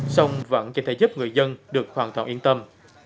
xong vẫn chỉ thể giúp người dân được hoàn toàn yên tâm